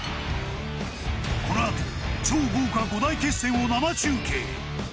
このあと超豪華五大決戦を生中継。